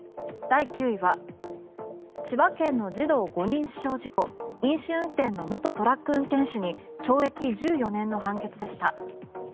第９位は千葉県の児童５人死傷事故飲酒運転の元トラック運転手に懲役１４年の判決でした。